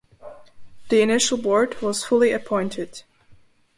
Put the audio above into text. The initial board was fully appointed.